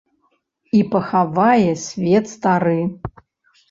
І пахавае свет стары!